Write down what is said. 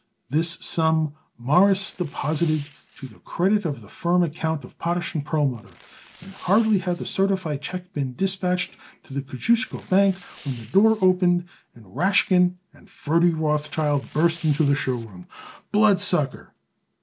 This sum Morris deposited to the credit of the firm account of Potash & Perlmutter, and hardly had the certified check been dispatched to the Kosciusko Bank when the door opened and Rashkin and Ferdy Rothschild burst into the show room. "Bloodsucker!"